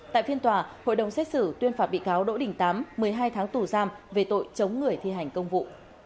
tại phiên tòa hội đồng xét xử tuyên phạt bị cáo đỗ đình tám một mươi hai tháng tù giam về tội chống người thi hành công vụ